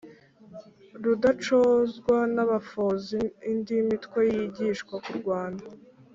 Rudacogozwa n’abafozi indi mitwe yigishwa kurwana